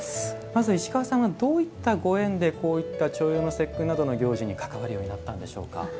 まず石川さん、どういったご縁で重陽の節句の行事に関わるようになったんでしょうか。